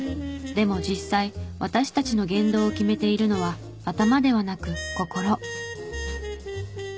でも実際私たちの言動を決めているのは頭ではなく心。